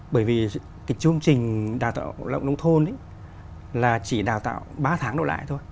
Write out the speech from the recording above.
bởi vì cái chương trình đào tạo nông thôn là chỉ đào tạo ba tháng độ lại thôi